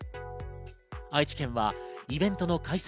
愛知県はイベントの開催